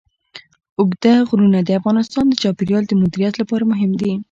اوږده غرونه د افغانستان د چاپیریال د مدیریت لپاره مهم دي.